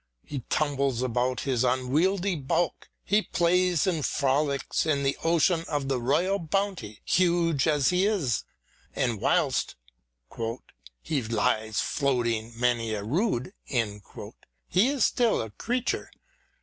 He tumbles about his unwieldy bulk : he plays and f roUcs in the ocean of the royal bounty. Huge as he is and whilst " he lies floating many a rood," he is stiU a creature.